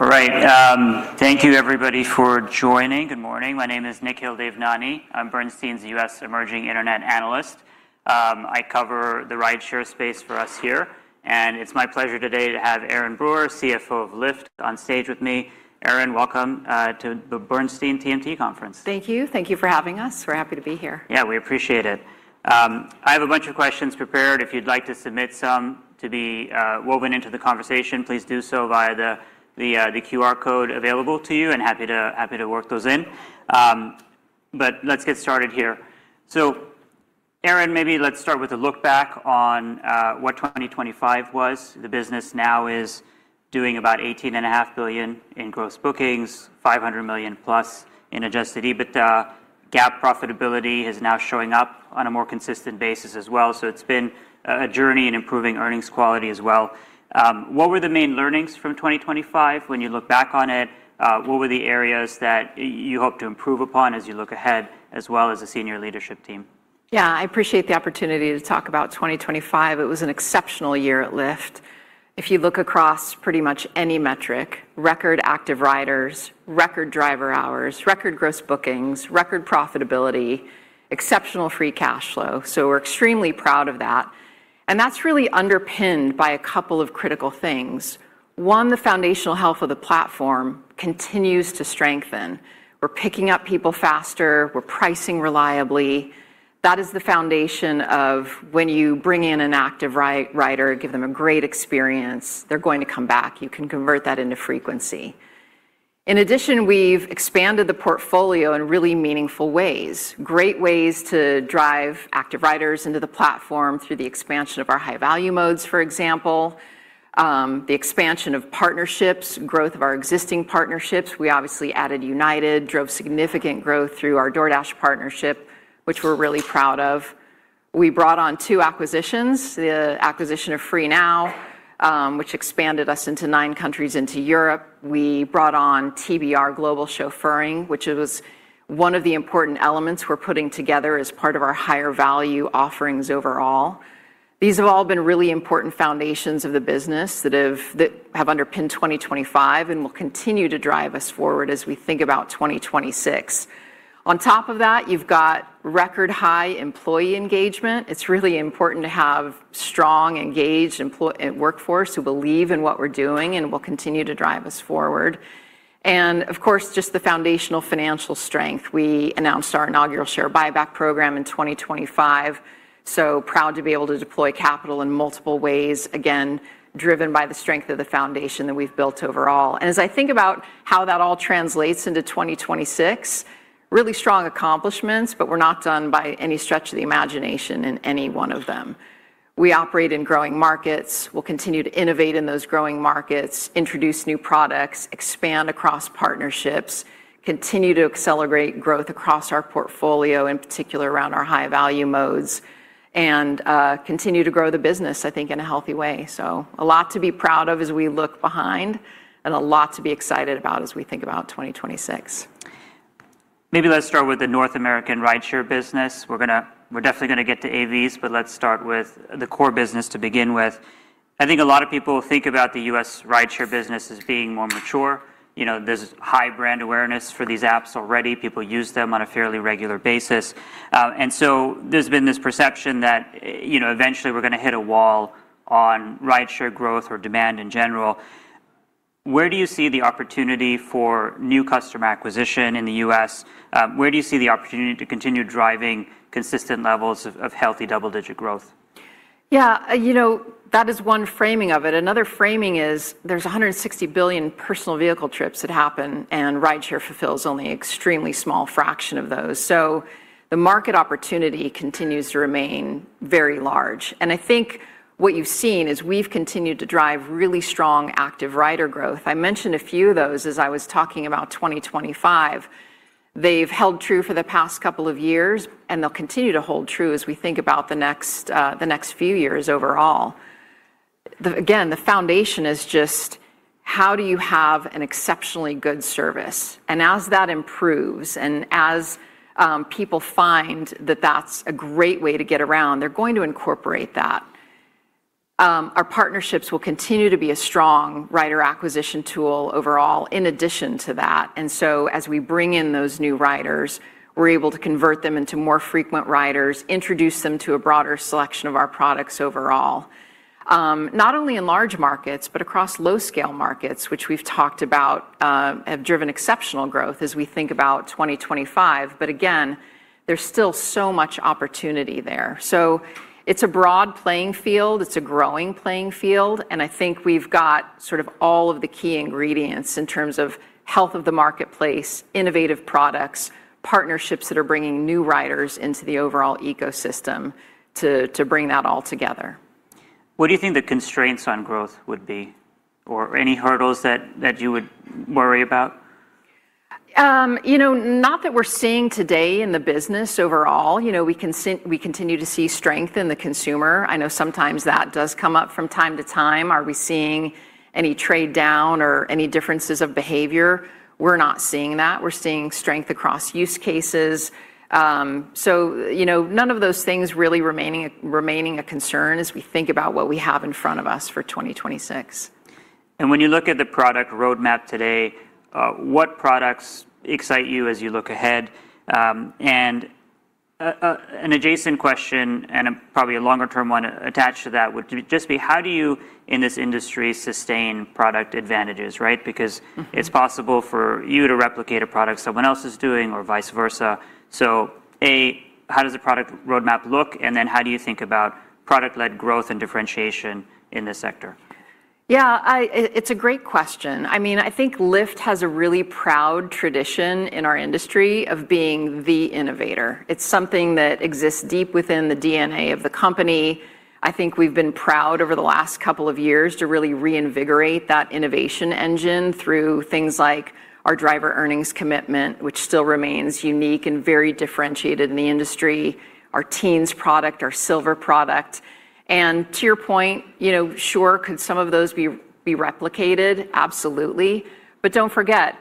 Thank you everybody for joining. Good morning. My name is Nikhil Devnani. I'm Bernstein's US Emerging Internet Analyst. I cover the rideshare space for us here, and it's my pleasure today to have Erin Brewer, CFO of Lyft, on stage with me. Erin, welcome to the Bernstein TMT Conference. Thank you. Thank you for having us. We're happy to be here. We appreciate it. I have a bunch of questions prepared. If you'd like to submit some to be woven into the conversation, please do so via the QR code available to you, and happy to work those in. Let's get started here. Erin, maybe let's start with a look back on what 2025 was. The business now is doing about $18.5 billion in Gross Bookings, $500 million-plus in adjusted EBITDA. GAAP profitability is now showing up on a more consistent basis as well, it's been a journey in improving earnings quality as well. What were the main learnings from 2025 when you look back on it? What were the areas that you hope to improve upon as you look ahead, as well as the senior leadership team? I appreciate the opportunity to talk about 2025. It was an exceptional year at Lyft. If you look across pretty much any metric, record active riders, record driver hours, record Gross Bookings, record profitability, exceptional free cash flow. We're extremely proud of that. That's really underpinned by a couple of critical things. One, the foundational health of the platform continues to strengthen. We're picking up people faster. We're pricing reliably. That is the foundation of when you bring in an active rider, give them a great experience, they're going to come back. You can convert that into frequency. In addition, we've expanded the portfolio in really meaningful ways, great ways to drive active riders into the platform through the expansion of our high-value modes, for example, the expansion of partnerships, growth of our existing partnerships. We obviously added United, drove significant growth through our DoorDash partnership, which we're really proud of. We brought on two acquisitions, the acquisition of FREENOW, which expanded us into nine countries into Europe. We brought on TBR Global Chauffeuring, which it was one of the important elements we're putting together as part of our higher-value offerings overall. These have all been really important foundations of the business that have underpinned 2025 and will continue to drive us forward as we think about 2026. On top of that, you've got record-high employee engagement. It's really important to have strong, engaged workforce who believe in what we're doing and will continue to drive us forward. Of course, just the foundational financial strength. We announced our inaugural share buyback program in 2025, proud to be able to deploy capital in multiple ways, again, driven by the strength of the foundation that we've built overall. As I think about how that all translates into 2026, really strong accomplishments, but we're not done by any stretch of the imagination in any one of them. We operate in growing markets. We'll continue to innovate in those growing markets, introduce new products, expand across partnerships, continue to accelerate growth across our portfolio, in particular, around our high-value modes, and continue to grow the business, I think, in a healthy way. A lot to be proud of as we look behind and a lot to be excited about as we think about 2026. Maybe let's start with the North American rideshare business. We're definitely gonna get to AVs, but let's start with the core business to begin with. I think a lot of people think about the U.S. rideshare business as being more mature. You know, there's high brand awareness for these apps already. People use them on a fairly regular basis. There's been this perception that, you know, eventually, we're gonna hit a wall on rideshare growth or demand in general. Where do you see the opportunity for new customer acquisition in the U.S.? Where do you see the opportunity to continue driving consistent levels of healthy double-digit growth? Yeah, you know, that is one framing of it. Another framing is there's $160 billion personal vehicle trips that happen, and rideshare fulfills only an extremely small fraction of those. The market opportunity continues to remain very large. I think what you've seen is we've continued to drive really strong active rider growth. I mentioned a few of those as I was talking about 2025. They've held true for the past couple of years, and they'll continue to hold true as we think about the next few years overall. Again, the foundation is just: How do you have an exceptionally good service? As that improves, and as people find that that's a great way to get around, they're going to incorporate that. Our partnerships will continue to be a strong rider acquisition tool overall, in addition to that. As we bring in those new riders, we're able to convert them into more frequent riders, introduce them to a broader selection of our products overall. Not only in large markets, but across low-scale markets, which we've talked about, have driven exceptional growth as we think about 2025. Again, there's still so much opportunity there. It's a broad playing field. It's a growing playing field. I think we've got sort of all of the key ingredients in terms of health of the marketplace, innovative products, partnerships that are bringing new riders into the overall ecosystem, to bring that all together. What do you think the constraints on growth would be, or any hurdles that you would worry about? You know, not that we're seeing today in the business overall. You know, we continue to see strength in the consumer. I know sometimes that does come up from time to time. Are we seeing any trade down or any differences of behavior? We're not seeing that. We're seeing strength across use cases. You know, none of those things really remaining a concern as we think about what we have in front of us for 2026. When you look at the product roadmap today, what products excite you as you look ahead? An adjacent question, probably a longer-term one attached to that, would just be: How do you, in this industry, sustain product advantages, right? Mm-hmm. It's possible for you to replicate a product someone else is doing, or vice versa. A, how does the product roadmap look? How do you think about product-led growth and differentiation in this sector? Yeah, it's a great question. I mean, I think Lyft has a really proud tradition in our industry of being the innovator. It's something that exists deep within the DNA of the company. I think we've been proud over the last couple of years to really reinvigorate that innovation engine through things like our driver earnings commitment, which still remains unique and very differentiated in the industry, our teens product, our silver product. To your point, you know, sure, could some of those be replicated? Absolutely. Don't forget,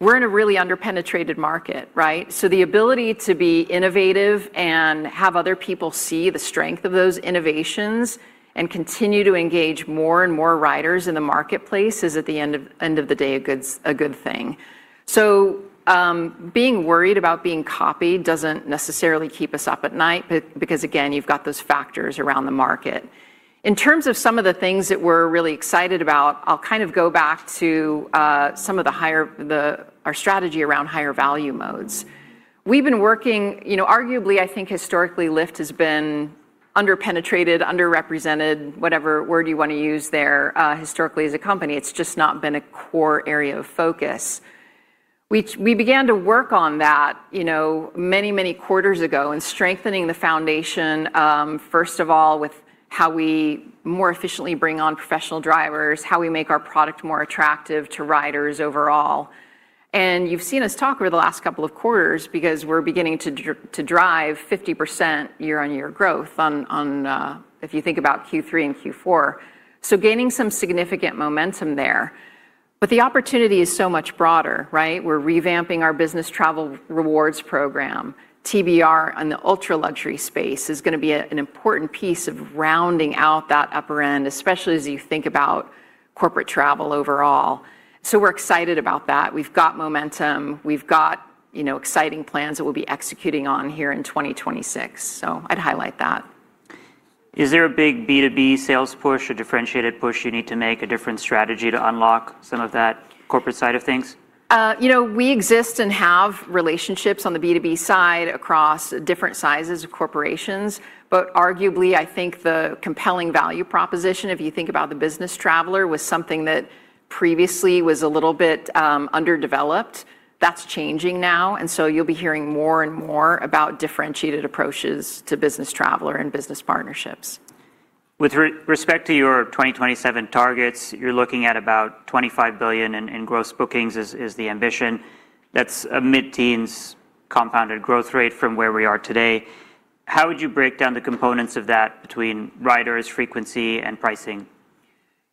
we're in a really under-penetrated market, right? The ability to be innovative and have other people see the strength of those innovations and continue to engage more and more riders in the marketplace is, at the end of the day, a good thing. Being worried about being copied doesn't necessarily keep us up at night, but because, again, you've got those factors around the market. In terms of some of the things that we're really excited about, I'll kind of go back to our strategy around higher value modes. We've been working... You know, arguably, I think, historically, Lyft has been under-penetrated, underrepresented, whatever word you want to use there, historically, as a company. It's just not been a core area of focus. We began to work on that, you know, many quarters ago, and strengthening the foundation, first of all, with how we more efficiently bring on professional drivers, how we make our product more attractive to riders overall. You've seen us talk over the last couple of quarters because we're beginning to drive 50% year-on-year growth on, if you think about Q3 and Q4, gaining some significant momentum there. The opportunity is so much broader, right? We're revamping our business travel rewards program. TBR on the ultra-luxury space is gonna be an important piece of rounding out that upper end, especially as you think about corporate travel overall. We're excited about that. We've got momentum. We've got, you know, exciting plans that we'll be executing on here in 2026. I'd highlight that. Is there a big B2B sales push, a differentiated push you need to make, a different strategy to unlock some of that corporate side of things? You know, we exist and have relationships on the B2B side across different sizes of corporations, but arguably, I think the compelling value proposition, if you think about the business traveler, was something that previously was a little bit underdeveloped. That's changing now. You'll be hearing more and more about differentiated approaches to business traveler and business partnerships. With respect to your 2027 targets, you're looking at about $25 billion in Gross Bookings is the ambition. That's a mid-teens compounded growth rate from where we are today. How would you break down the components of that between riders, frequency, and pricing?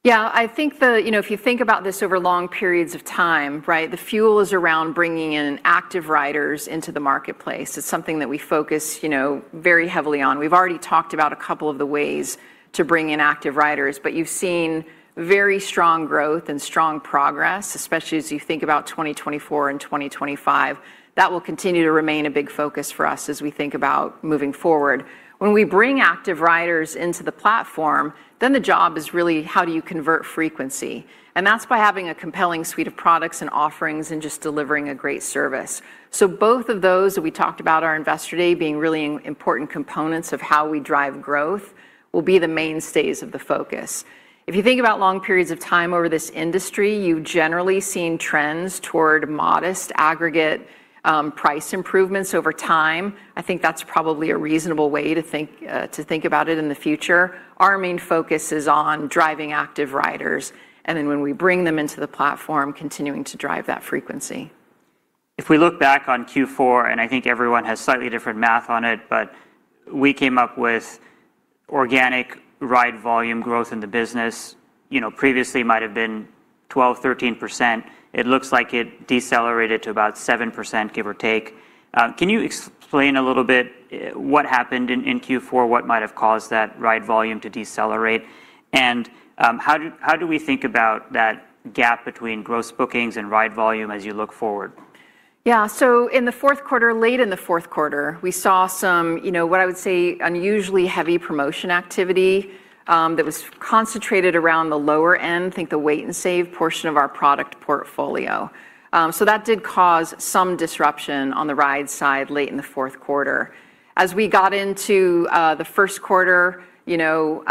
Yeah, I think the, you know, if you think about this over long periods of time, right, the fuel is around bringing in active riders into the marketplace. It's something that we focus, you know, very heavily on. We've already talked about a couple of the ways to bring in active riders, but you've seen very strong growth and strong progress, especially as you think about 2024 and 2025. That will continue to remain a big focus for us as we think about moving forward. When we bring active riders into the platform, then the job is really: How do you convert frequency? That's by having a compelling suite of products and offerings and just delivering a great service. Both of those that we talked about our Investor Day being really important components of how we drive growth, will be the mainstays of the focus. If you think about long periods of time over this industry, you've generally seen trends toward modest aggregate, price improvements over time. I think that's probably a reasonable way to think to think about it in the future. Our main focus is on driving active riders, then when we bring them into the platform, continuing to drive that frequency. If we look back on Q4, I think everyone has slightly different math on it, but we came up with organic ride volume growth in the business. You know, previously might have been 12%, 13%. It looks like it decelerated to about 7%, give or take. Can you explain a little bit, what happened in Q4? What might have caused that ride volume to decelerate? How do we think about that gap between Gross Bookings and ride volume as you look forward? Yeah. In the fourth quarter, late in the fourth quarter, we saw some, you know, what I would say, unusually heavy promotion activity that was concentrated around the lower end, think the Wait & Save portion of our product portfolio. That did cause some disruption on the ride side late in the fourth quarter. As we got into the first quarter, you know,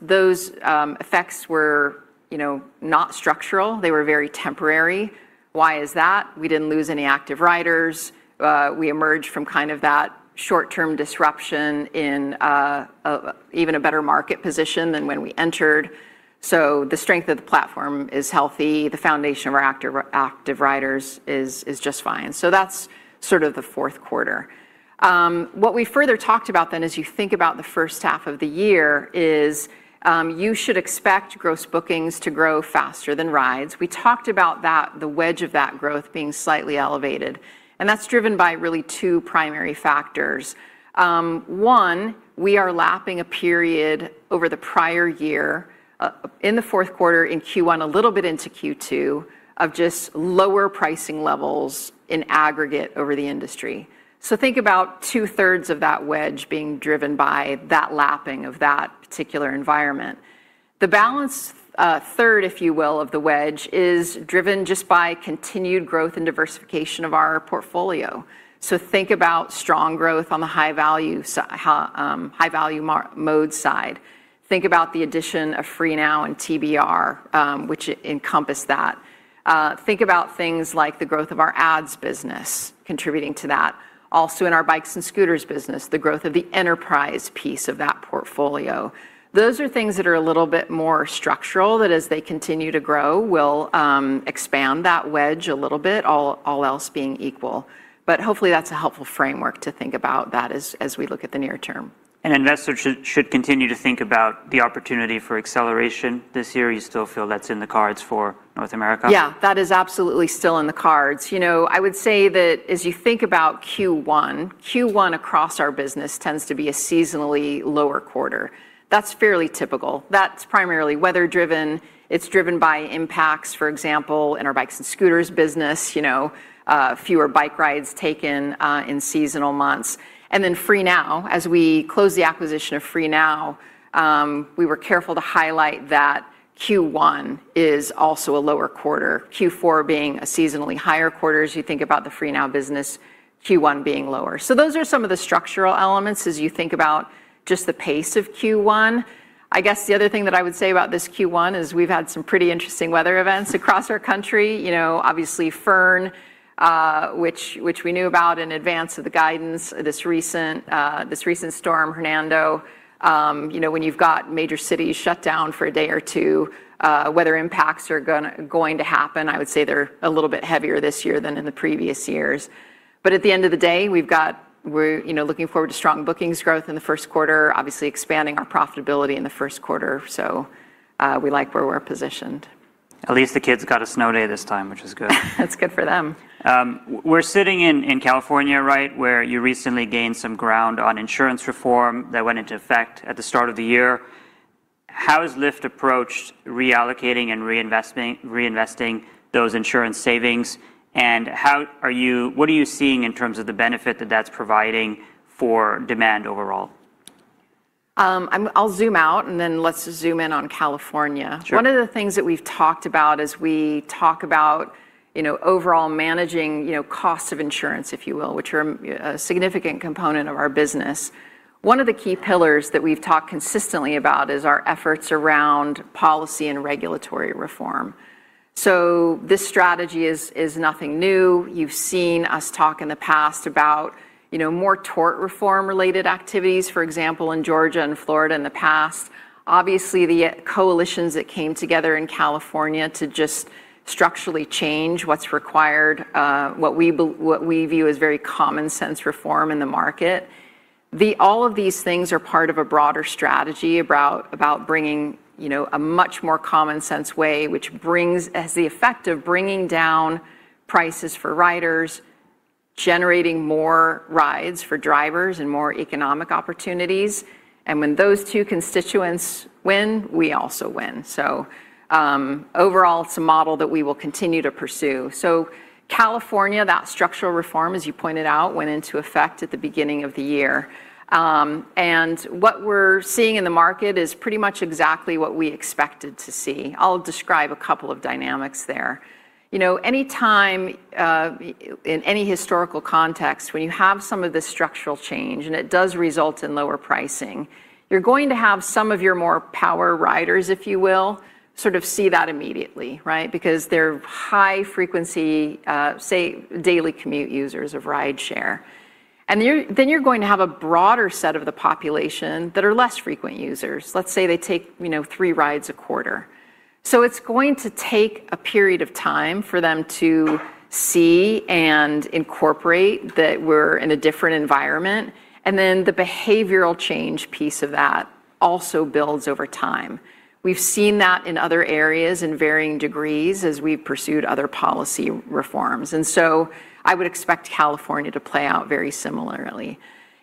Those effects were, you know, not structural. They were very temporary. Why is that? We didn't lose any active riders. We emerged from kind of that short-term disruption in even a better market position than when we entered. The strength of the platform is healthy. The foundation of our active riders is just fine. That's sort of the fourth quarter.... What we further talked about then, as you think about the first half of the year, is you should expect Gross Bookings to grow faster than rides. We talked about that, the wedge of that growth being slightly elevated, and that's driven by really two primary factors. One, we are lapping a period over the prior year, in the fourth quarter, in Q1, a little bit into Q2, of just lower pricing levels in aggregate over the industry. Think about two-thirds of that wedge being driven by that lapping of that particular environment. The balance, third, if you will, of the wedge, is driven just by continued growth and diversification of our portfolio. Think about strong growth on the high-value mode side. Think about the addition of FREENOW and TBR, which encompass that. Think about things like the growth of our ads business contributing to that. Also, in our bikes and scooters business, the growth of the enterprise piece of that portfolio. Those are things that are a little bit more structural, that as they continue to grow, will expand that wedge a little bit, all else being equal. Hopefully, that's a helpful framework to think about that as we look at the near term. Investors should continue to think about the opportunity for acceleration this year? You still feel that's in the cards for North America? Yeah, that is absolutely still in the cards. You know, I would say that as you think about Q1 across our business tends to be a seasonally lower quarter. That's fairly typical. That's primarily weather-driven. It's driven by impacts, for example, in our bikes and scooters business, you know, fewer bike rides taken in seasonal months. FREENOW, as we close the acquisition of FREENOW, we were careful to highlight that Q1 is also a lower quarter, Q4 being a seasonally higher quarter, as you think about the FREENOW business, Q1 being lower. Those are some of the structural elements as you think about just the pace of Q1. I guess the other thing that I would say about this Q1 is we've had some pretty interesting weather events across our country. You know, obviously, Fern, which we knew about in advance of the guidance, this recent storm, Hernando. You know, when you've got major cities shut down for a day or two, weather impacts are going to happen. I would say they're a little bit heavier this year than in the previous years. At the end of the day, we're, you know, looking forward to strong bookings growth in the first quarter, obviously expanding our profitability in the first quarter. We like where we're positioned. At least the kids got a snow day this time, which is good. That's good for them. We're sitting in California, right? Where you recently gained some ground on insurance reform that went into effect at the start of the year. How has Lyft approached reallocating and reinvesting those insurance savings? What are you seeing in terms of the benefit that that's providing for demand overall? I'll zoom out, and then let's zoom in on California. Sure. One of the things that we've talked about as we talk about, you know, overall managing, you know, cost of insurance, if you will, which are a significant component of our business. One of the key pillars that we've talked consistently about is our efforts around policy and regulatory reform. This strategy is nothing new. You've seen us talk in the past about, you know, more tort reform-related activities, for example, in Georgia and Florida in the past. Obviously, the coalitions that came together in California to just structurally change what's required, what we view as very common-sense reform in the market. All of these things are part of a broader strategy about bringing, you know, a much more common-sense way, which brings... Has the effect of bringing down prices for riders, generating more rides for drivers, and more economic opportunities, and when those two constituents win, we also win. Overall, it's a model that we will continue to pursue. California, that structural reform, as you pointed out, went into effect at the beginning of the year. What we're seeing in the market is pretty much exactly what we expected to see. I'll describe a couple of dynamics there. You know, any time, in any historical context, when you have some of this structural change, and it does result in lower pricing, you're going to have some of your more power riders, if you will, sort of see that immediately, right? Because they're high frequency, say, daily commute users of rideshare. You're going to have a broader set of the population that are less frequent users. Let's say they take, you know, three rides a quarter. It's going to take a period of time for them to see and incorporate that we're in a different environment, and then the behavioral change piece of that also builds over time. We've seen that in other areas in varying degrees as we've pursued other policy reforms. I would expect California to play out very similarly.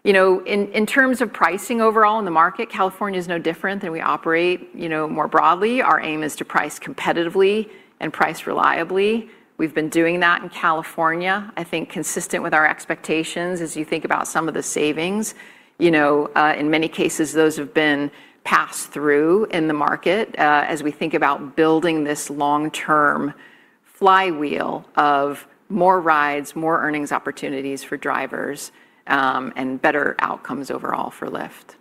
You know, in terms of pricing overall in the market, California is no different than we operate, you know, more broadly. Our aim is to price competitively and price reliably. We've been doing that in California. I think consistent with our expectations, as you think about some of the savings, you know, in many cases, those have been passed through in the market, as we think about building this long-term flywheel of more rides, more earnings opportunities for drivers, and better outcomes overall for Lyft.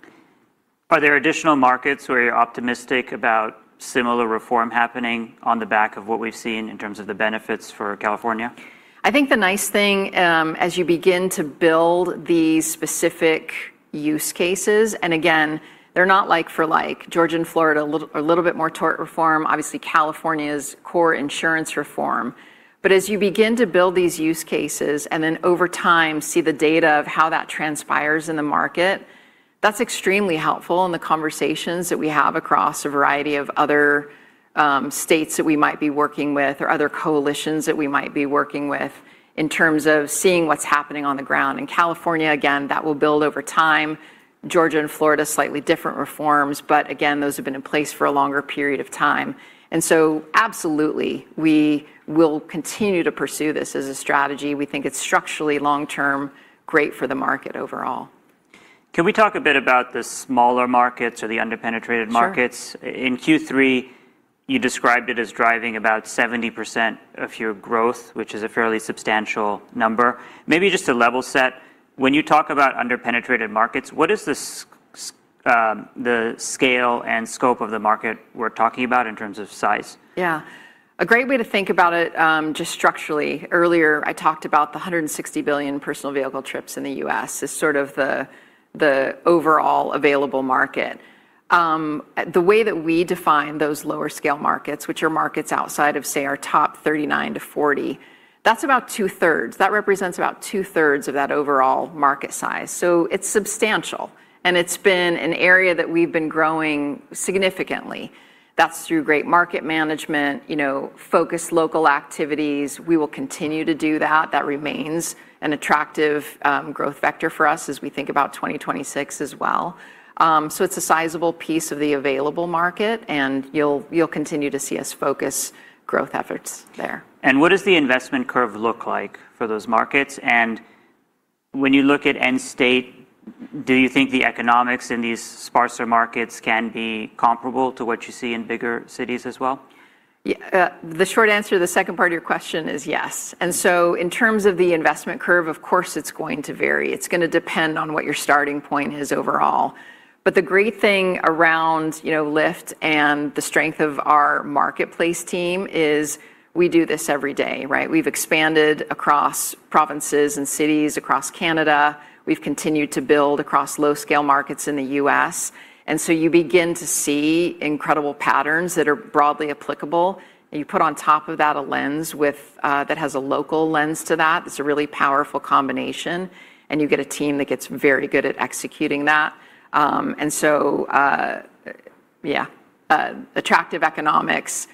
Are there additional markets where you're optimistic about similar reform happening on the back of what we've seen in terms of the benefits for California? I think the nice thing, as you begin to build these specific use cases, and again, they're not like for like. Georgia and Florida, a little bit more tort reform, obviously, California's core insurance reform. As you begin to build these use cases, and then over time, see the data of how that transpires in the market. That's extremely helpful in the conversations that we have across a variety of other states that we might be working with or other coalitions that we might be working with, in terms of seeing what's happening on the ground. In California, again, that will build over time. Georgia and Florida, slightly different reforms, but again, those have been in place for a longer period of time. Absolutely, we will continue to pursue this as a strategy. We think it's structurally long-term, great for the market overall. Can we talk a bit about the smaller markets or the under-penetrated markets? Sure. In Q3, you described it as driving about 70% of your growth, which is a fairly substantial number. Maybe just to level set, when you talk about under-penetrated markets, what is the scale and scope of the market we're talking about in terms of size? A great way to think about it, just structurally, earlier, I talked about the 160 billion personal vehicle trips in the U.S. as sort of the overall available market. The way that we define those lower-scale markets, which are markets outside of, say, our top 39-40, that's about two-thirds. That represents about two-thirds of that overall market size. It's substantial, and it's been an area that we've been growing significantly. That's through great market management, you know, focused local activities. We will continue to do that. That remains an attractive growth vector for us as we think about 2026 as well. It's a sizable piece of the available market, and you'll continue to see us focus growth efforts there. What does the investment curve look like for those markets? When you look at end state, do you think the economics in these sparser markets can be comparable to what you see in bigger cities as well? Yeah, the short answer to the second part of your question is yes. In terms of the investment curve, of course, it's gonna vary. It's gonna depend on what your starting point is overall. But the great thing around, you know, Lyft and the strength of our marketplace team is we do this every day, right? We've expanded across provinces and cities across Canada. We've continued to build across low-scale markets in the U.S. You begin to see incredible patterns that are broadly applicable. You put on top of that That has a local lens to that. It's a really powerful combination, and you get a team that gets very good at executing that. Attractive economics,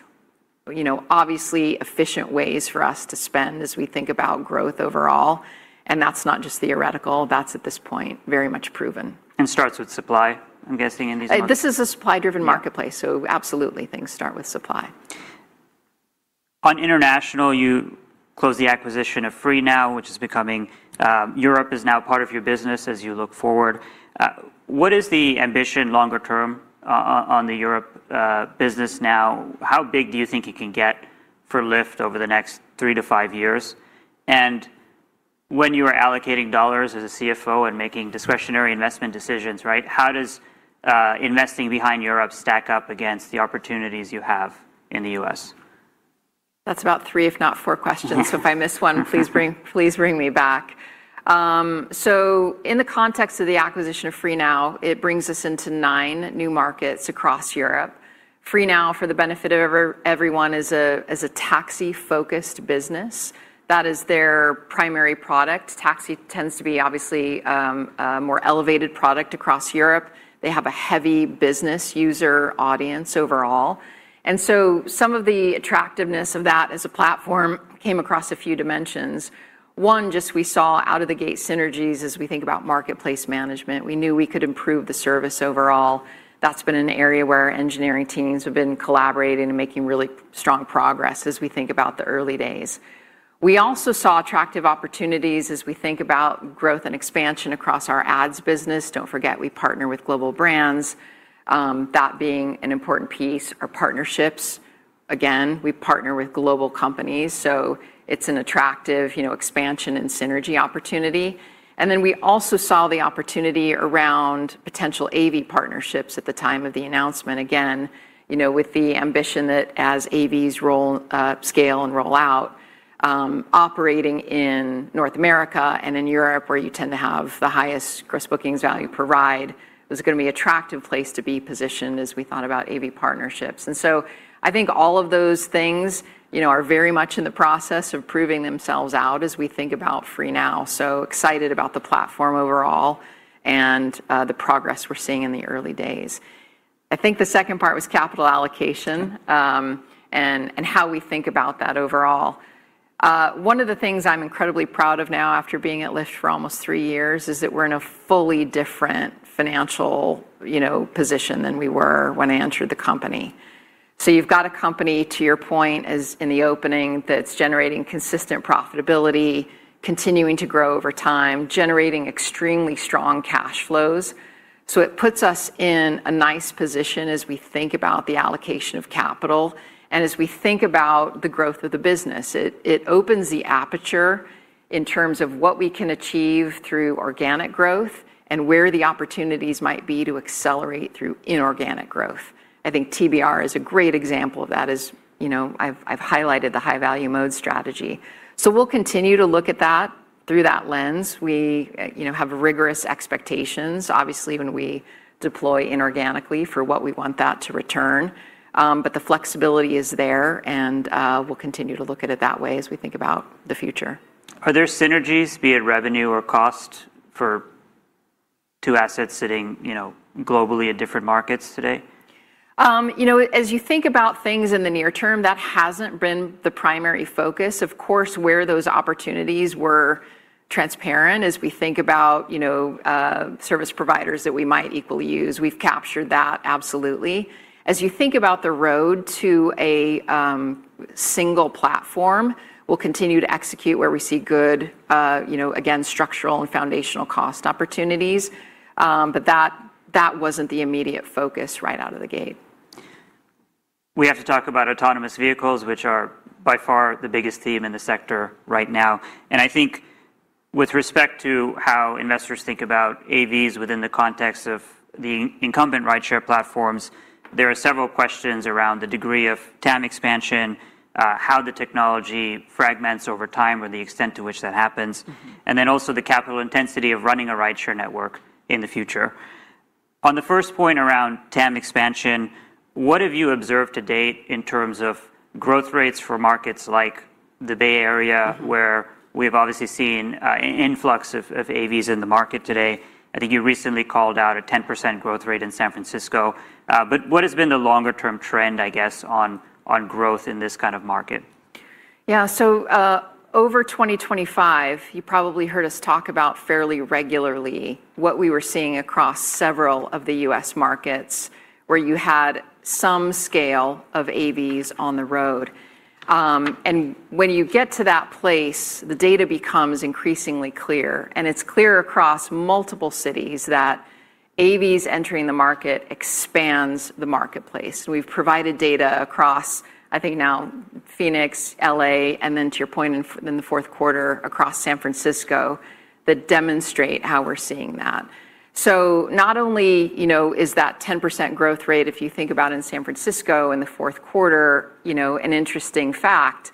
you know, obviously efficient ways for us to spend as we think about growth overall, and that's not just theoretical. That's, at this point, very much proven. Starts with supply, I'm guessing, in these markets? This is a supply-driven marketplace. Yeah Absolutely, things start with supply. On international, you closed the acquisition of FREENOW, which is becoming, Europe is now part of your business as you look forward. What is the ambition longer term on the Europe business now? How big do you think it can get for Lyft over the next three to five years? When you are allocating dollars as a CFO and making discretionary investment decisions, right, how does investing behind Europe stack up against the opportunities you have in the US? That's about three, if not four, questions. If I miss one, please bring me back. In the context of the acquisition of FREENOW, it brings us into nine new markets across Europe. FREENOW, for the benefit of everyone, is a taxi-focused business. That is their primary product. Taxi tends to be obviously a more elevated product across Europe. They have a heavy business user audience overall. Some of the attractiveness of that as a platform came across a few dimensions. One, just we saw out of the gate synergies as we think about marketplace management. We knew we could improve the service overall. That's been an area where our engineering teams have been collaborating and making really strong progress as we think about the early days. We also saw attractive opportunities as we think about growth and expansion across our ads business. Don't forget, we partner with global brands, that being an important piece, our partnerships. We partner with global companies, so it's an attractive, you know, expansion and synergy opportunity. We also saw the opportunity around potential AV partnerships at the time of the announcement. You know, with the ambition that as AVs roll, scale and roll out, operating in North America and in Europe, where you tend to have the highest Gross Bookings value per ride, it was gonna be an attractive place to be positioned as we thought about AV partnerships. I think all of those things, you know, are very much in the process of proving themselves out as we think about FREENOW. Excited about the platform overall and the progress we're seeing in the early days. I think the second part was capital allocation, and how we think about that overall. One of the things I'm incredibly proud of now, after being at Lyft for almost three years, is that we're in a fully different financial, you know, position than we were when I entered the company. You've got a company, to your point, as in the opening, that's generating consistent profitability, continuing to grow over time, generating extremely strong cash flows. It puts us in a nice position as we think about the allocation of capital and as we think about the growth of the business. It opens the aperture in terms of what we can achieve through organic growth and where the opportunities might be to accelerate through inorganic growth. I think TBR is a great example of that, as you know, I've highlighted the high-value mode strategy. We'll continue to look at that through that lens. We, you know, have rigorous expectations, obviously, when we deploy inorganically for what we want that to return. The flexibility is there, and we'll continue to look at it that way as we think about the future. Are there synergies, be it revenue or cost, for two assets sitting, you know, globally in different markets today? You know, as you think about things in the near term, that hasn't been the primary focus. Of course, where those opportunities were transparent, as we think about, you know, service providers that we might equally use, we've captured that, absolutely. As you think about the road to a single platform, we'll continue to execute where we see good, you know, again, structural and foundational cost opportunities. That wasn't the immediate focus right out of the gate. We have to talk about autonomous vehicles, which are by far the biggest theme in the sector right now. I think with respect to how investors think about AVs within the context of the incumbent rideshare platforms, there are several questions around the degree of TAM expansion, how the technology fragments over time or the extent to which that happens. Mm-hmm. Then also the capital intensity of running a rideshare network in the future. On the first point around TAM expansion, what have you observed to date in terms of growth rates for markets like the Bay Area, where we've obviously seen an influx of AVs in the market today? I think you recently called out a 10% growth rate in San Francisco. What has been the longer term trend, I guess, on growth in this kind of market? Yeah. Over 2025, you probably heard us talk about fairly regularly what we were seeing across several of the U.S. markets, where you had some scale of AVs on the road. When you get to that place, the data becomes increasingly clear, and it's clear across multiple cities that AVs entering the market expands the marketplace. We've provided data across, I think, now Phoenix, L.A., and then to your point, in the fourth quarter, across San Francisco, that demonstrate how we're seeing that. Not only, you know, is that 10% growth rate, if you think about in San Francisco in the fourth quarter, you know, an interesting fact,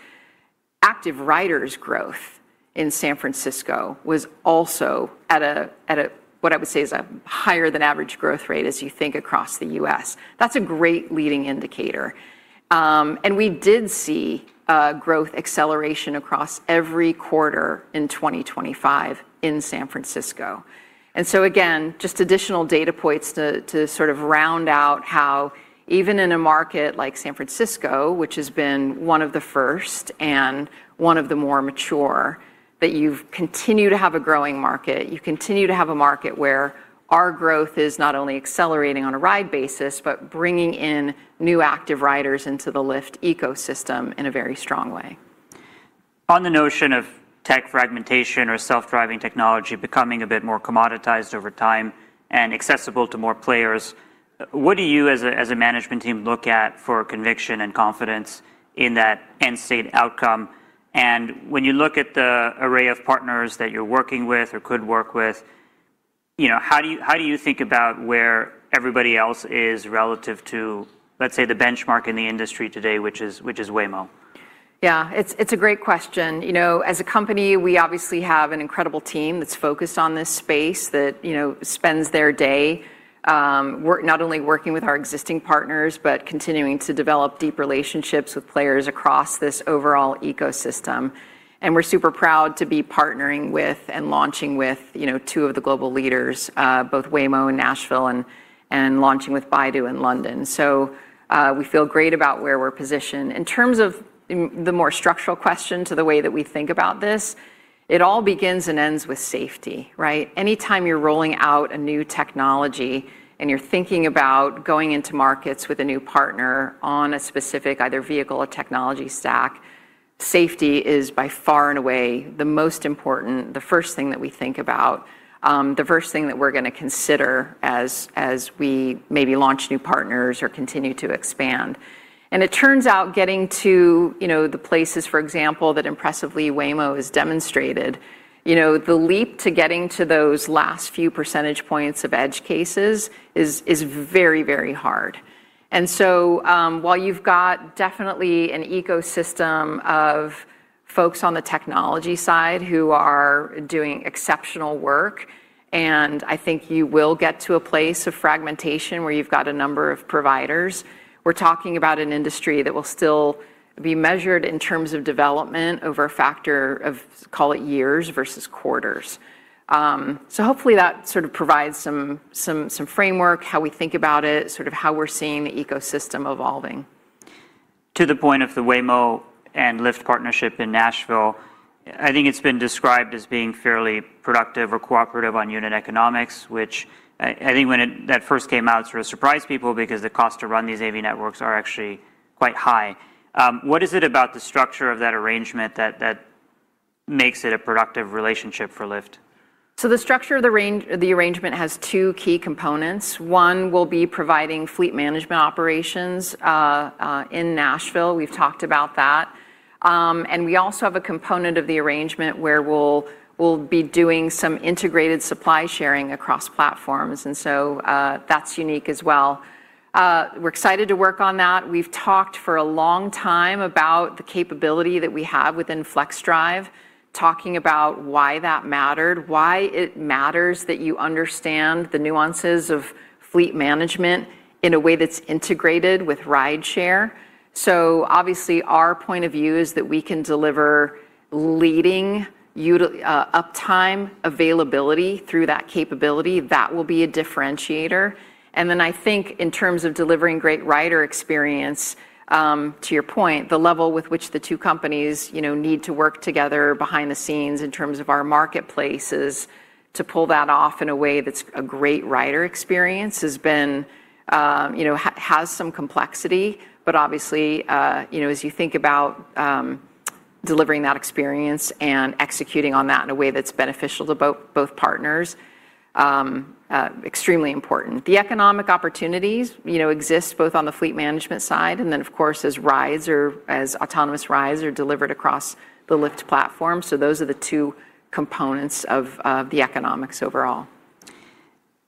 active riders growth in San Francisco was also at a, what I would say, is a higher than average growth rate as you think across the U.S. That's a great leading indicator. We did see growth acceleration across every quarter in 2025 in San Francisco. Again, just additional data points to sort of round out how even in a market like San Francisco, which has been one of the first and one of the more mature, that you've continued to have a growing market. You continue to have a market where our growth is not only accelerating on a ride basis, but bringing in new active riders into the Lyft ecosystem in a very strong way. On the notion of tech fragmentation or self-driving technology becoming a bit more commoditized over time and accessible to more players, what do you, as a management team, look at for conviction and confidence in that end state outcome? When you look at the array of partners that you're working with or could work with, you know, how do you, how do you think about where everybody else is relative to, let's say, the benchmark in the industry today, which is Waymo? Yeah, it's a great question. You know, as a company, we obviously have an incredible team that's focused on this space, that, you know, spends their day, not only working with our existing partners, but continuing to develop deep relationships with players across this overall ecosystem. We're super proud to be partnering with and launching with, you know, two of the global leaders, both Waymo in Nashville and launching with Baidu in London. We feel great about where we're positioned. In terms of the more structural question to the way that we think about this, it all begins and ends with safety, right? Anytime you're rolling out a new technology and you're thinking about going into markets with a new partner on a specific, either vehicle or technology stack, safety is by far and away the most important, the first thing that we think about, the first thing that we're gonna consider as we maybe launch new partners or continue to expand. It turns out getting to, you know, the places, for example, that impressively Waymo has demonstrated, you know, the leap to getting to those last few percentage points of edge cases is very, very hard. While you've got definitely an ecosystem of folks on the technology side who are doing exceptional work, and I think you will get to a place of fragmentation where you've got a number of providers, we're talking about an industry that will still be measured in terms of development over a factor of, call it, years versus quarters. Hopefully that sort of provides some framework, how we think about it, sort of how we're seeing the ecosystem evolving. To the point of the Waymo and Lyft partnership in Nashville, I think it's been described as being fairly productive or cooperative on unit economics, which I think when that first came out, sort of surprised people because the cost to run these AV networks are actually quite high. What is it about the structure of that arrangement that makes it a productive relationship for Lyft? The structure of the range, the arrangement has two key components. One will be providing fleet management operations in Nashville. We've talked about that. We also have a component of the arrangement where we'll be doing some integrated supply sharing across platforms. That's unique as well. We're excited to work on that. We've talked for a long time about the capability that we have within Flexdrive, talking about why that mattered, why it matters that you understand the nuances of fleet management in a way that's integrated with rideshare. Obviously, our point of view is that we can deliver leading uptime availability through that capability. That will be a differentiator. I think in terms of delivering great rider experience, to your point, the level with which the two companies, you know, need to work together behind the scenes in terms of our marketplaces, to pull that off in a way that's a great rider experience, has been, you know, has some complexity, but obviously, you know, as you think about delivering that experience and executing on that in a way that's beneficial to both partners, extremely important. The economic opportunities, you know, exist both on the fleet management side and then, of course, as rides or as autonomous rides are delivered across the Lyft platform. Those are the two components of the economics overall.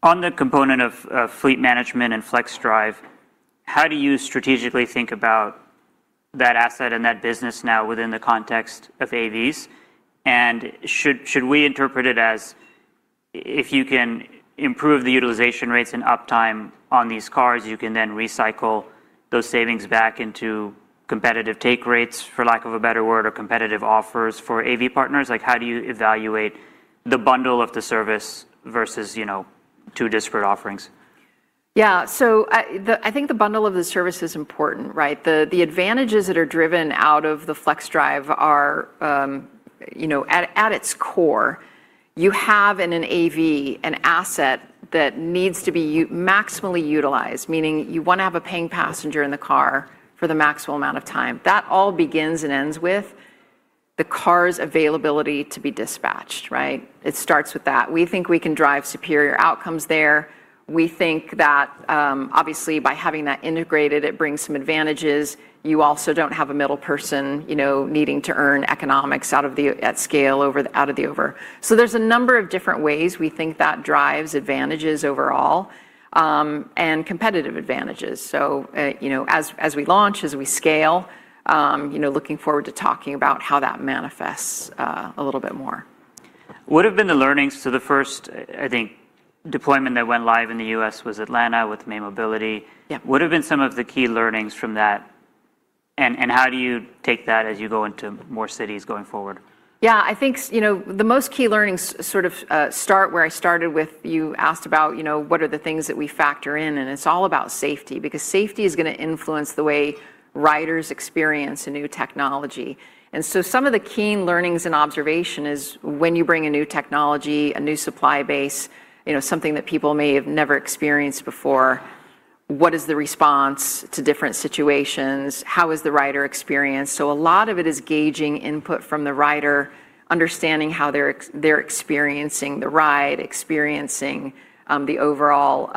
On the component of fleet management and Flexdrive, how do you strategically think about that asset and that business now within the context of AVs? Should we interpret it as if you can improve the utilization rates and uptime on these cars, you can then recycle those savings back into competitive take rates, for lack of a better word, or competitive offers for AV partners? How do you evaluate the bundle of the service versus, you know, two disparate offerings? Yeah. I think the bundle of the service is important, right? The advantages that are driven out of the Flexdrive are, you know, at its core, you have in an AV, an asset that needs to be maximally utilized, meaning you wanna have a paying passenger in the car for the maximal amount of time. That all begins and ends with the car's availability to be dispatched, right? It starts with that. We think we can drive superior outcomes there. We think that, obviously, by having that integrated, it brings some advantages. You also don't have a middle person, you know, needing to earn economics at scale, out of the over. There's a number of different ways we think that drives advantages overall, and competitive advantages. You know, as we launch, as we scale, you know, looking forward to talking about how that manifests a little bit more. What have been the learnings? The first, I think, deployment that went live in the U.S. was Atlanta with May Mobility. Yeah. What have been some of the key learnings from that, and how do you take that as you go into more cities going forward? I think, you know, the most key learnings sort of, start where I started with, you asked about, you know, what are the things that we factor in, and it's all about safety, because safety is gonna influence the way riders experience a new technology. Some of the key learnings and observation is when you bring a new technology, a new supply base, you know, something that people may have never experienced before, what is the response to different situations? How is the rider experience? A lot of it is gauging input from the rider, understanding how they're experiencing the ride, experiencing, the overall,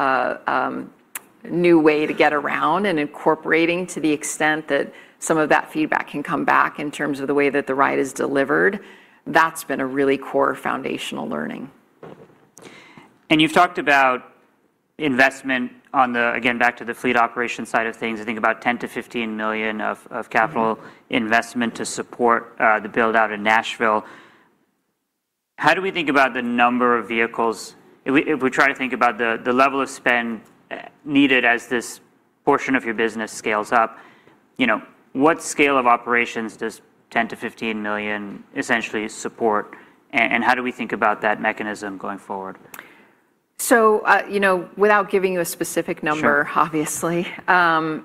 new way to get around, and incorporating to the extent that some of that feedback can come back in terms of the way that the ride is delivered. That's been a really core foundational learning. You've talked about investment Again, back to the fleet operation side of things, I think about $10 million-$15 million of capital. Mm-hmm investment to support the build-out in Nashville. How do we think about the number of vehicles, if we try to think about the level of spend needed as this portion of your business scales up, you know, what scale of operations does $10 million-$15 million essentially support, and how do we think about that mechanism going forward? you know, without giving you a specific number. Sure... obviously,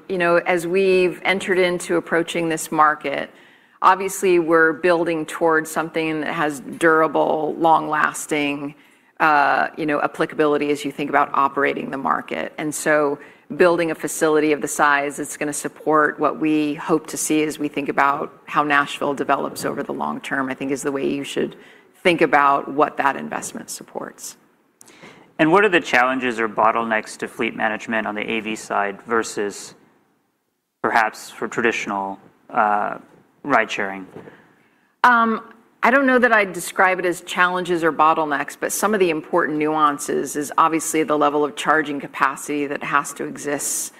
you know, as we've entered into approaching this market, obviously, we're building towards something that has durable, long-lasting, you know, applicability as you think about operating the market. Building a facility of the size that's gonna support what we hope to see as we think about how Nashville develops over the long term, I think, is the way you should think about what that investment supports. What are the challenges or bottlenecks to fleet management on the AV side versus perhaps for traditional ridesharing? I don't know that I'd describe it as challenges or bottlenecks, some of the important nuances is obviously the level of charging capacity that has to exist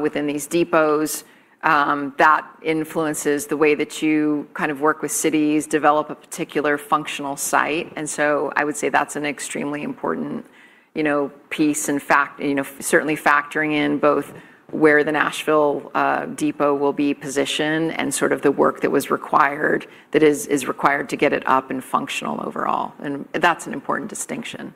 within these depots. That influences the way that you kind of work with cities, develop a particular functional site, I would say that's an extremely important, you know, piece, in fact, you know, certainly factoring in both where the Nashville depot will be positioned and sort of the work that was required, is required to get it up and functional overall. That's an important distinction.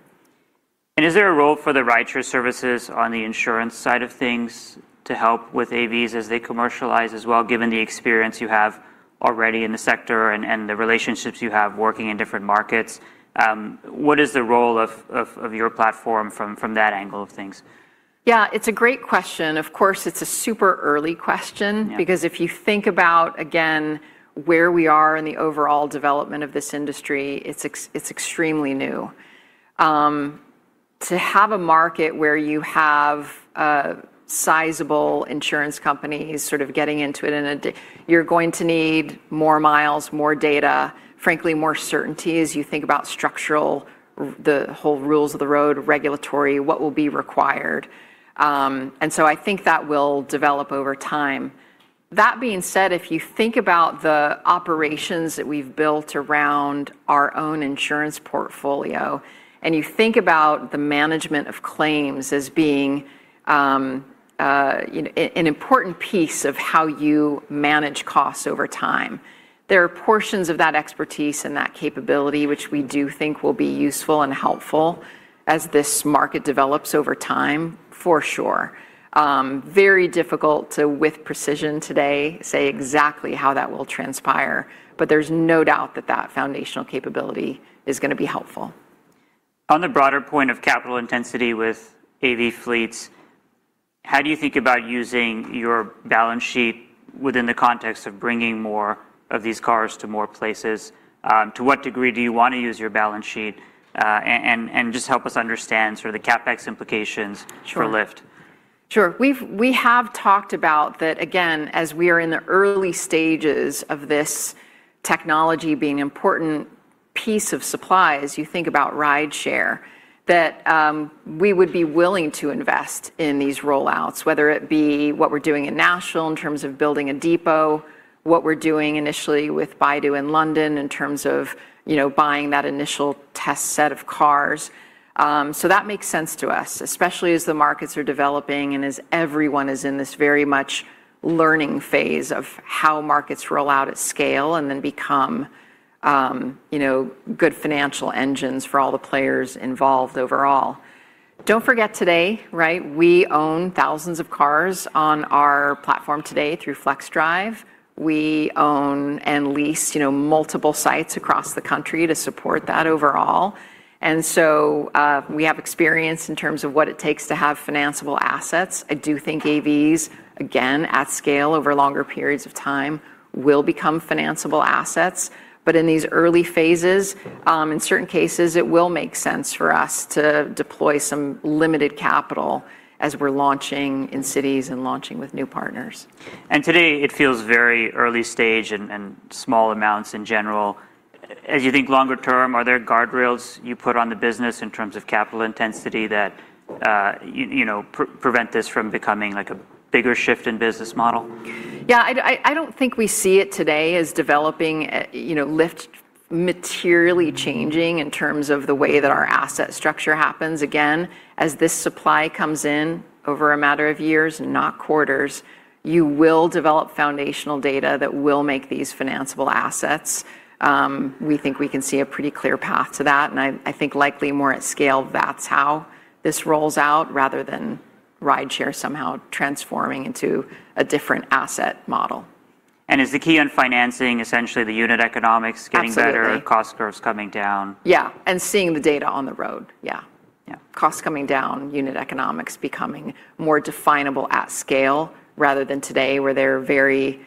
Is there a role for the rideshare services on the insurance side of things to help with AVs as they commercialize as well, given the experience you have already in the sector and the relationships you have working in different markets? What is the role of your platform from that angle of things? Yeah, it's a great question. Of course, it's a super early question. Yeah. If you think about, again, where we are in the overall development of this industry, it's extremely new. To have a market where you have sizable insurance companies sort of getting into it in a you're going to need more miles, more data, frankly, more certainty as you think about structural, the whole rules of the road, regulatory, what will be required. I think that will develop over time. That being said, if you think about the operations that we've built around our own insurance portfolio, and you think about the management of claims as being, you know, an important piece of how you manage costs over time, there are portions of that expertise and that capability, which we do think will be useful and helpful as this market develops over time, for sure. Very difficult to, with precision today, say exactly how that will transpire. There's no doubt that that foundational capability is gonna be helpful. On the broader point of capital intensity with AV fleets, how do you think about using your balance sheet within the context of bringing more of these cars to more places? To what degree do you want to use your balance sheet? Just help us understand sort of the CapEx implications. Sure. for Lyft. Sure. We have talked about that, again, as we are in the early stages of this technology being an important piece of supply, as you think about rideshare, that we would be willing to invest in these rollouts, whether it be what we're doing in National in terms of building a depot, what we're doing initially with Baidu in London in terms of, you know, buying that initial test set of cars. That makes sense to us, especially as the markets are developing and as everyone is in this very much learning phase of how markets roll out at scale and then become, you know, good financial engines for all the players involved overall. Don't forget today, right, we own thousands of cars on our platform today through Flexdrive. We own and lease, you know, multiple sites across the country to support that overall. We have experience in terms of what it takes to have financiable assets. I do think AVs, again, at scale, over longer periods of time, will become financiable assets. In these early phases, in certain cases, it will make sense for us to deploy some limited capital as we're launching in cities and launching with new partners. Today, it feels very early stage and small amounts in general. As you think longer term, are there guardrails you put on the business in terms of capital intensity that you know, prevent this from becoming, like, a bigger shift in business model? Yeah, I don't think we see it today as developing, you know, Lyft materially changing in terms of the way that our asset structure happens. Again, as this supply comes in over a matter of years, not quarters, you will develop foundational data that will make these financiable assets. We think we can see a pretty clear path to that, and I think likely more at scale, that's how this rolls out, rather than rideshare somehow transforming into a different asset model. Is the key on financing, essentially the unit economics getting better? Absolutely. cost curves coming down? Yeah, seeing the data on the road. Yeah. Yeah. Costs coming down, unit economics becoming more definable at scale, rather than today, where they're very...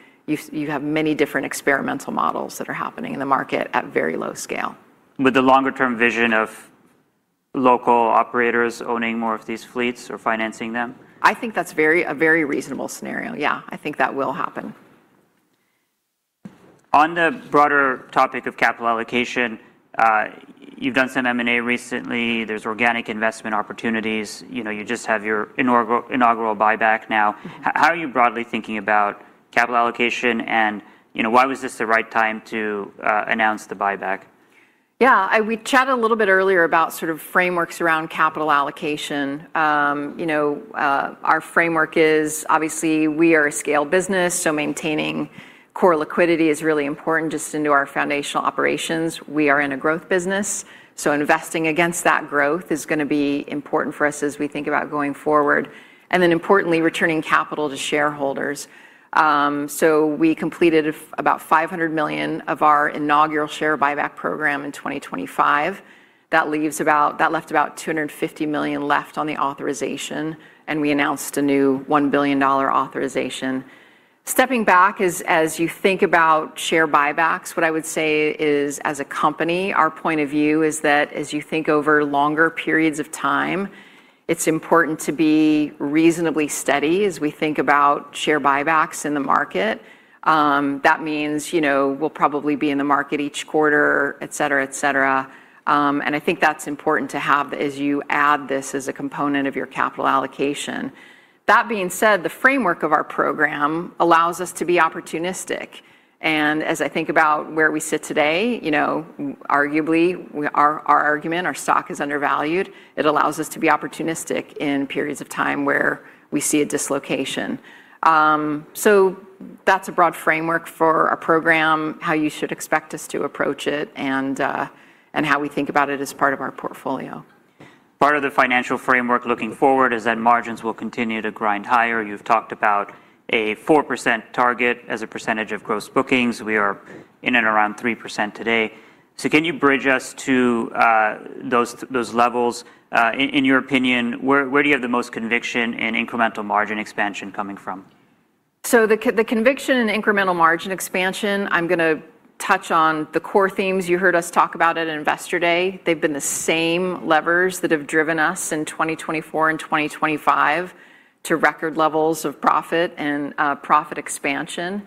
You have many different experimental models that are happening in the market at very low scale. With the longer-term vision of local operators owning more of these fleets or financing them? I think that's very, a very reasonable scenario. Yeah, I think that will happen. On the broader topic of capital allocation, you've done some M&A recently. There's organic investment opportunities. You know, you just have your inaugural buyback now. Mm-hmm. How are you broadly thinking about capital allocation and, you know, why was this the right time to announce the buyback? Yeah, we chatted a little bit earlier about sort of frameworks around capital allocation. You know, our framework is obviously, we are a scale business, so maintaining core liquidity is really important just into our foundational operations. We are in a growth business, so investing against that growth is gonna be important for us as we think about going forward. Importantly, returning capital to shareholders. We completed about $500 million of our inaugural share buyback program in 2025. That left about $250 million left on the authorization, and we announced a new $1 billion authorization. Stepping back, as you think about share buybacks, what I would say is, as a company, our point of view is that as you think over longer periods of time, it's important to be reasonably steady as we think about share buybacks in the market. That means, you know, we'll probably be in the market each quarter, et cetera, et cetera. I think that's important to have as you add this as a component of your capital allocation. That being said, the framework of our program allows us to be opportunistic. As I think about where we sit today, you know, arguably, our argument, our stock is undervalued. It allows us to be opportunistic in periods of time where we see a dislocation. That's a broad framework for our program, how you should expect us to approach it, and how we think about it as part of our portfolio. Part of the financial framework looking forward is that margins will continue to grind higher. You've talked about a 4% target as a percentage of Gross Bookings. We are in and around 3% today. Can you bridge us to those levels? In your opinion, where do you have the most conviction in incremental margin expansion coming from? The conviction and incremental margin expansion, I'm gonna touch on the core themes you heard us talk about at Investor Day. They've been the same levers that have driven us in 2024 and 2025 to record levels of profit and profit expansion,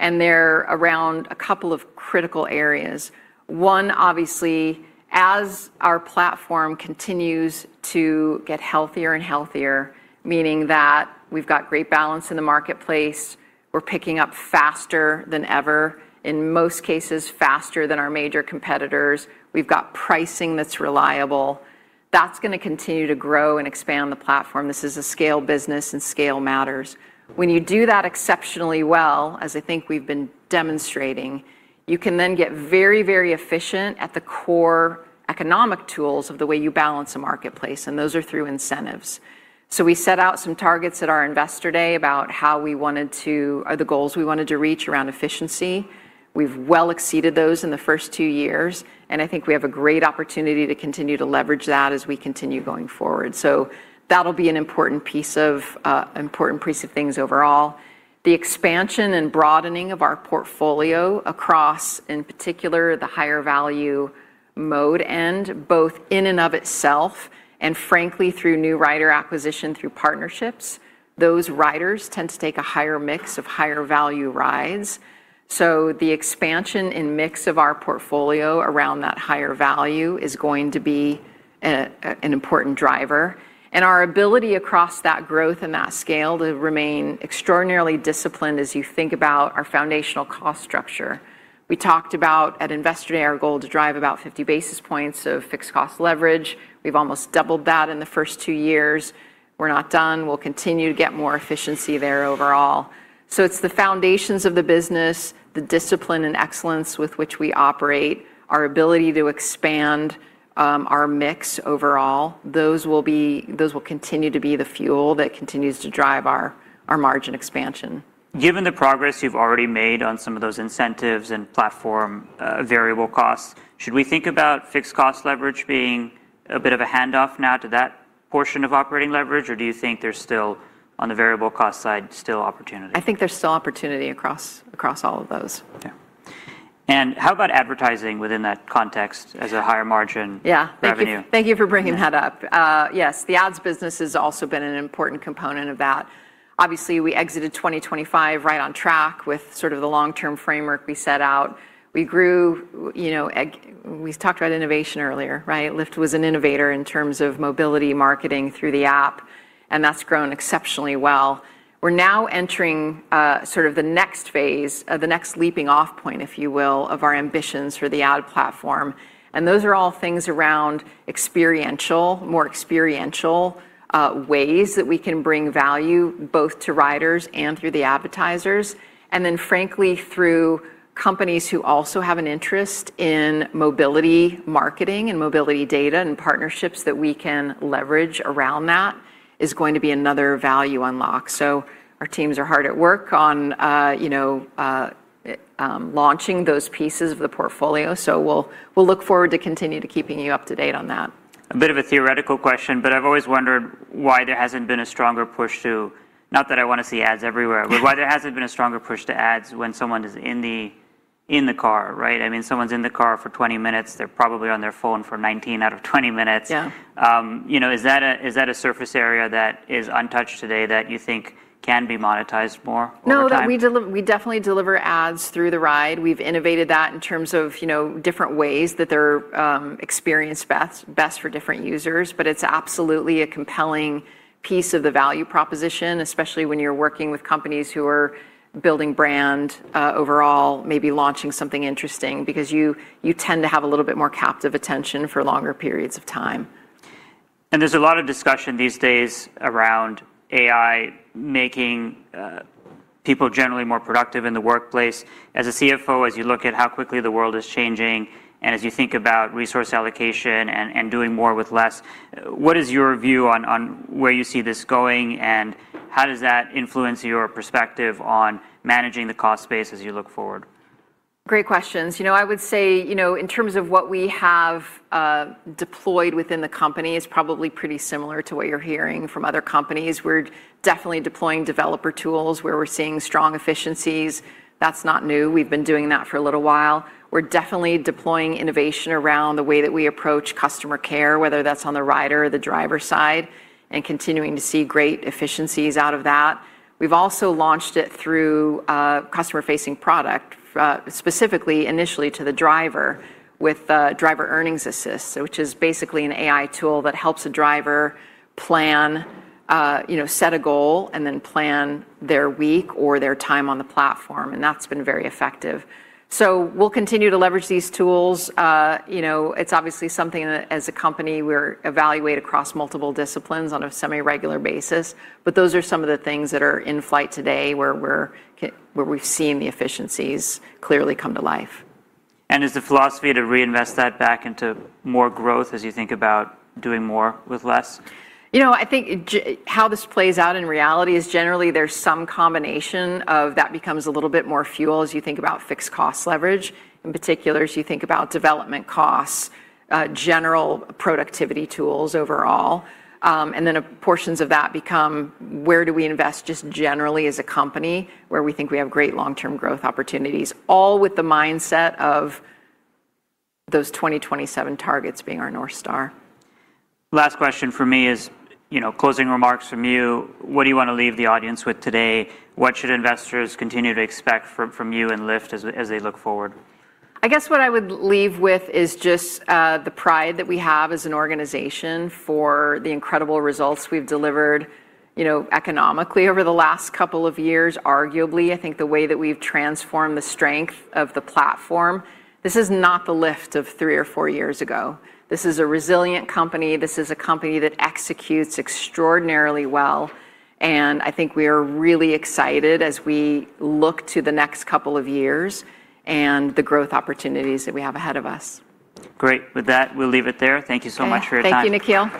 and they're around a couple of critical areas. One, obviously, as our platform continues to get healthier and healthier, meaning that we've got great balance in the marketplace, we're picking up faster than ever, in most cases, faster than our major competitors. We've got pricing that's reliable. That's gonna continue to grow and expand the platform. This is a scale business, and scale matters. When you do that exceptionally well, as I think we've been demonstrating, you can then get very, very efficient at the core economic tools of the way you balance a marketplace, and those are through incentives. We set out some targets at our Investor Day about how we wanted to or the goals we wanted to reach around efficiency. We've well exceeded those in the first 2 years, and I think we have a great opportunity to continue to leverage that as we continue going forward. That'll be an important piece of things overall. The expansion and broadening of our portfolio across, in particular, the higher value mode, and both in and of itself, and frankly, through new rider acquisition, through partnerships, those riders tend to take a higher mix of higher value rides. The expansion in mix of our portfolio around that higher value is going to be an important driver, and our ability across that growth and that scale to remain extraordinarily disciplined as you think about our foundational cost structure. We talked about, at Investor Day, our goal to drive about 50 basis points of fixed cost leverage. We've almost doubled that in the first two years. We're not done. We'll continue to get more efficiency there overall. It's the foundations of the business, the discipline and excellence with which we operate, our ability to expand our mix overall. Those will continue to be the fuel that continues to drive our margin expansion. Given the progress you've already made on some of those incentives and platform, variable costs, should we think about fixed cost leverage being a bit of a handoff now to that portion of operating leverage, or do you think there's still, on the variable cost side, still opportunity? I think there's still opportunity across all of those. Yeah. How about advertising within that context as a higher margin- Yeah -revenue? Thank you for bringing that up. Yes, the ads business has also been an important component of that. Obviously, we exited 2025 right on track with sort of the long-term framework we set out. We grew, you know, we talked about innovation earlier, right? Lyft was an innovator in terms of mobility marketing through the app. That's grown exceptionally well. We're now entering sort of the next phase, the next leaping off point, if you will, of our ambitions for the ad platform. Those are all things around experiential, more experiential ways that we can bring value both to riders and through the advertisers. Frankly, through companies who also have an interest in mobility marketing and mobility data and partnerships that we can leverage around that is going to be another value unlock. Our teams are hard at work on, you know, launching those pieces of the portfolio. We'll look forward to continue to keeping you up to date on that. A bit of a theoretical question, but I've always wondered why there hasn't been a stronger push to... not that I want to see ads everywhere-... but why there hasn't been a stronger push to ads when someone is in the, in the car, right? I mean, someone's in the car for 20 minutes. They're probably on their phone for 19 out of 20 minutes. Yeah. You know, is that a, is that a surface area that is untouched today that you think can be monetized more over time? No, we definitely deliver ads through the ride. We've innovated that in terms of, you know, different ways that they're experienced best for different users. It's absolutely a compelling piece of the value proposition, especially when you're working with companies who are building brand overall, maybe launching something interesting, because you tend to have a little bit more captive attention for longer periods of time. There's a lot of discussion these days around AI making people generally more productive in the workplace. As a CFO, as you look at how quickly the world is changing and as you think about resource allocation and doing more with less, what is your view on where you see this going, and how does that influence your perspective on managing the cost space as you look forward? Great questions. You know, I would say, you know, in terms of what we have deployed within the company is probably pretty similar to what you're hearing from other companies. We're definitely deploying developer tools, where we're seeing strong efficiencies. That's not new. We've been doing that for a little while. We're definitely deploying innovation around the way that we approach customer care, whether that's on the rider or the driver side, and continuing to see great efficiencies out of that. We've also launched it through customer-facing product, specifically initially to the driver, with Driver Earnings Assist, which is basically an AI tool that helps a driver plan, you know, set a goal, and then plan their week or their time on the platform, and that's been very effective. We'll continue to leverage these tools. you know, it's obviously something that, as a company, we're evaluate across multiple disciplines on a semi-regular basis, but those are some of the things that are in flight today, where we've seen the efficiencies clearly come to life. Is the philosophy to reinvest that back into more growth as you think about doing more with less? You know, I think how this plays out in reality is, generally, there's some combination of that becomes a little bit more fuel as you think about fixed cost leverage, in particular, as you think about development costs, general productivity tools overall. Then a portions of that become: Where do we invest just generally as a company, where we think we have great long-term growth opportunities? All with the mindset of those 2027 targets being our North Star. Last question from me is, you know, closing remarks from you. What do you want to leave the audience with today? What should investors continue to expect from you and Lyft as they look forward? I guess what I would leave with is just the pride that we have as an organization for the incredible results we've delivered, you know, economically over the last couple of years. Arguably, I think the way that we've transformed the strength of the platform, this is not the Lyft of three or four years ago. This is a resilient company. This is a company that executes extraordinarily well, and I think we are really excited as we look to the next couple of years and the growth opportunities that we have ahead of us. Great. With that, we'll leave it there. Thank you so much for your time. Thank you, Nikhil.